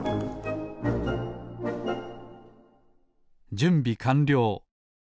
じゅんびかんりょう！